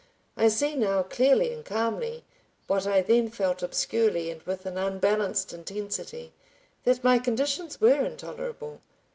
I see now clearly and calmly, what I then felt obscurely and with an unbalanced intensity, that my conditions were intolerable.